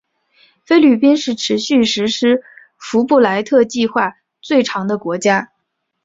菲律宾是持续实施福布莱特计划最长的国家。